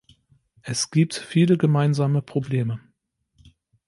Es gibt viele gemeinsame Probleme.